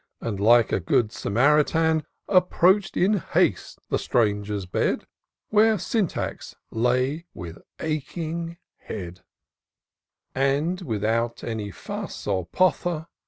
And like a good Samaritan, Approach'd in haste the stranger's bed. Where Syntax lay with aching head; And, without any fuss or pother.